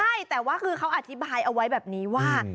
ใช่แต่ว่าคือเขาอธิบายเอาไว้แบบนี้ว่า